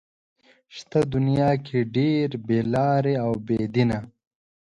شته دنيا کې ډېر بې لارې او بې دينه